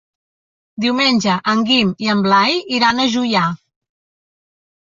Diumenge en Guim i en Blai iran a Juià.